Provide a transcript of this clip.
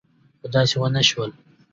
خو داسې ونه شول.